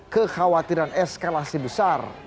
kekhawatiran eskalasi besar